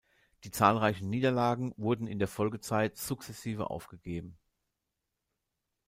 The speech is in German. Die zahlreichen Niederlagen wurden in den Folgezeit sukzessive aufgegeben.